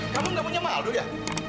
kamu gak punya maldo ya